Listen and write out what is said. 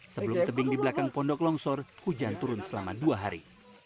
sebelum tebing di belakang pondok longsor hujan turun selama dua hari